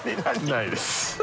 ないです。